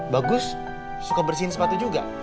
bagus suka bersihin sepatu juga